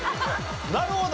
なるほど！